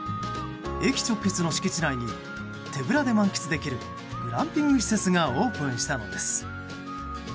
駅直結の敷地内に手ぶらで満喫できるグランピング施設がオープンしたのです。